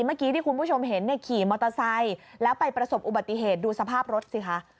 เมื่อกี้ที่คุณผู้ชมเห็นเนี่ยขี่มอเตอร์ไซค์แล้วไปประสบอุบัติเหตุดูสภาพรถสิคะ